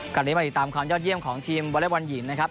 กันเลยมาติดตามความยอดเยี่ยมของทีมวรรยบวรรณหยินนะครับ